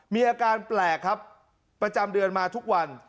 มีอาการแปลกครับประจำเดือนมาทุกวัน